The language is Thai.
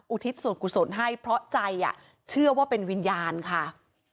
ทิศส่วนกุศลให้เพราะใจเชื่อว่าเป็นวิญญาณค่ะ